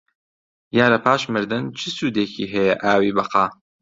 یا لە پاش مردن چ سوودێکی هەیە ئاوی بەقا؟